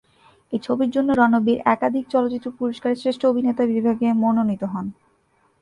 এই ছবির জন্য রণবীর একাধিক চলচ্চিত্র পুরস্কারে "শ্রেষ্ঠ অভিনেতা" বিভাগে মনোনীত হন।